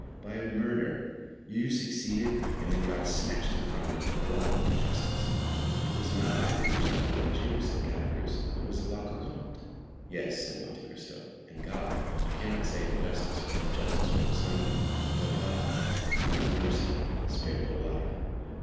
—by a murder! You succeeded, and then God snatched it from you, and brought you to justice." "It was not I who wished to kill the Jew," said Caderousse; "it was La Carconte." "Yes," said Monte Cristo, "and God,—I cannot say in justice, for his justice would have slain you,—but God, in his mercy, spared your life."